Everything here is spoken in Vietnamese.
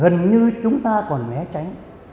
gần như chúng ta còn mé tránh